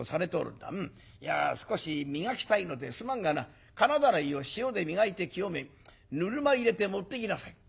いや少し磨きたいのですまんがな金だらいを塩で磨いて清めぬるま湯入れて持ってきなさい」。